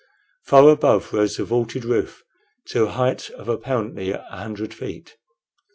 Far above rose the vaulted roof, to a height of apparently a hundred feet.